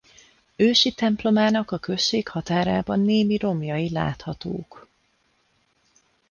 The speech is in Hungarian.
Ősi templomának a község határában némi romjai láthatók.